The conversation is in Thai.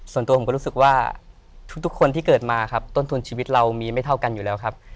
ส่วนตัวผมก็รู้สึกว่าทุกคนที่เกิดมาครับต้นทุนชีวิตเรามีไม่เท่ากันอยู่แล้วครับ